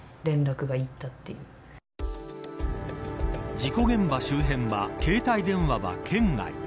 事故現場周辺は携帯電話は圏外。